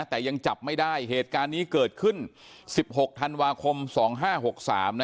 แต่ยังจับไม่ได้เหตุการณ์นี้เกิดขึ้น๑๖ธันวาคม๒๕๖๓นะ